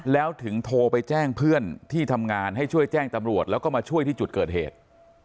แล้วถึงโทรไปแจ้งเพื่อนที่ทำงานให้ช่วยแจ้งตำรวจแล้วก็มาช่วยที่จุดเกิดเหตุ